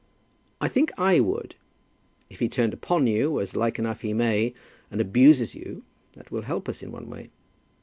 "I think I would. If he turns upon you, as like enough he may, and abuses you, that will help us in one way.